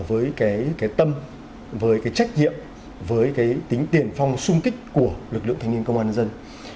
với cái tâm với cái trách nhiệm với cái tính tiền phong sung kích của lực lượng thanh niên công an nhân dân